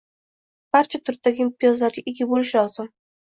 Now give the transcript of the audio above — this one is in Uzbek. Barcha turdagi imtiyozlarga ega bo'lish lozim.